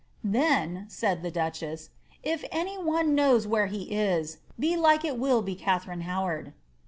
" Then," said the duchess, " if any one knows where he is, belike it will be Katharine Howard."